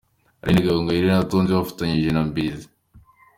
Aline Gahongayire na Tonzi bafatanyije na Mibirizi.